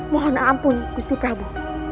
mohon ampun gusti prabu